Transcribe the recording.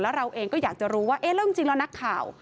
แล้วเราเองก็อยากจะรู้ว่าเอ๊ะแล้วจริงแล้วนักข่าว